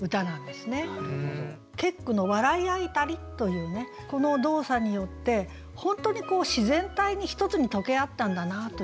結句の「笑い合いたり」というねこの動作によって本当に自然体に一つにとけあったんだなというね。